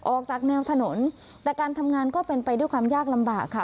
ออกจากแนวถนนแต่การทำงานก็เป็นไปด้วยความยากลำบากค่ะ